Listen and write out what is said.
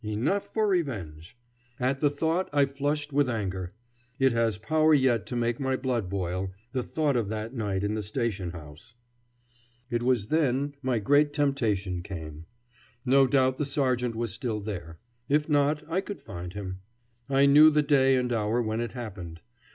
Enough for revenge! At the thought I flushed with anger. It has power yet to make my blood boil, the thought of that night in the station house. It was then my great temptation came. No doubt the sergeant was still there. If not, I could find him. I knew the day and hour when it happened.